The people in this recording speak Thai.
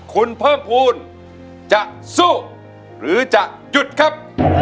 คุณเพิ่มภูมิจะสู้หรือจะหยุดครับ